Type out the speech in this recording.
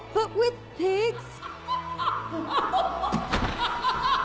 ハハハハ！